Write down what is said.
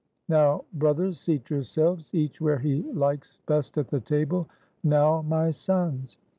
"Now, brothers, seat yourselves, each where he likes best at the table; now, my sons.